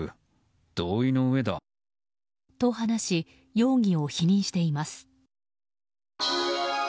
容疑を否認しています。